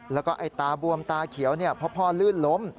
แล้วก็ไอ้ตาบวมตาเขียวเพราะพ่อลื่นล้ม